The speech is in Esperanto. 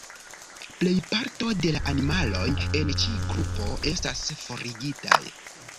Plejparto da la animaloj en ĉi grupo estas forigitaj.